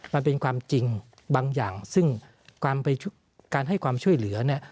มันเป็นความจริงบางอย่างซึ่งการให้ความช่วยเหลือเนี่ย